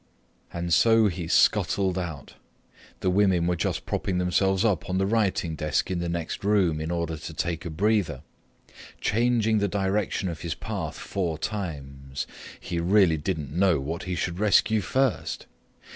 And so he scuttled out—the women were just propping themselves up on the writing desk in the next room in order to take a breather—changing the direction of his path four times. He really didn't know what he should rescue first.